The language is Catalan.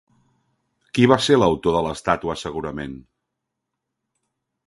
Qui va ser l'autor de l'estàtua segurament?